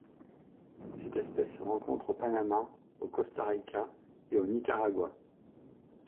Cette espèce se rencontre au Panamá, au Costa Rica et au Nicaragua.